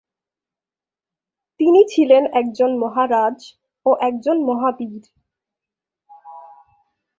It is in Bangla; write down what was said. তিনি ছিলেন একজন মহারাজ ও একজন মহাবীর।